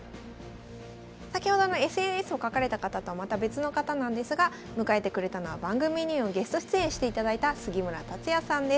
先ほどのＳＮＳを書かれた方とはまた別の方なんですが迎えてくれたのは番組にもゲスト出演していただいた杉村達也さんです。